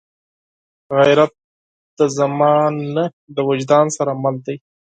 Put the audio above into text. غیرت د زمان نه، د وجدان سره مل دی